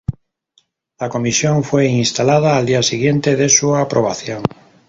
La comisión fue instalada al día siguiente de su aprobación.